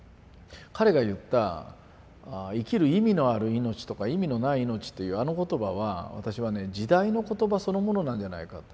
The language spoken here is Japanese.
彼が言った「生きる意味のある命」とか「意味のない命」っていうあの言葉は私はね時代の言葉そのものなんじゃないかと。